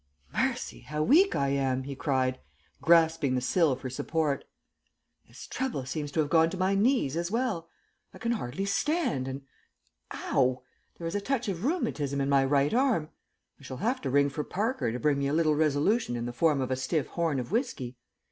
"Mercy! How weak I am!" he cried, grasping the sill for support. "This trouble seems to have gone to my knees as well. I can hardly stand, and ow there is a touch of rheumatism in my right arm! I shall have to ring for Parker to bring me a little resolution in the form of a stiff horn of whiskey.